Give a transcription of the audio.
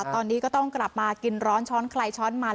ตอนนี้ก็ต้องกลับมากินร้อนช้อนใครช้อนมัน